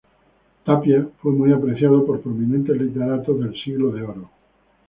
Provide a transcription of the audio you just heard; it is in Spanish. Tapia fue muy apreciado por prominentes literatos del Siglo de Oro.